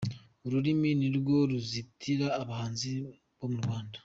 Ururimi ni rwo ruzitira abahanzi bo mu Rwanda